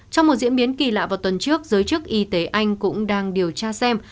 trong một diễn biến kỳ lạ vào tuần trước giới chức y tế anh cũng đang điều tra xem